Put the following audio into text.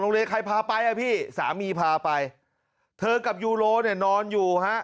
ใครพาไปอ่ะพี่สามีพาไปเธอกับยูโรเนี่ยนอนอยู่ฮะ